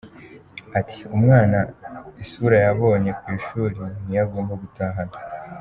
Ati “Umwana isura yabonye ku ishuri niyo agomba gutahana.